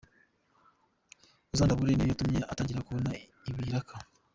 Uzandabure’ niyo yatumye atangira kubona ibiraka.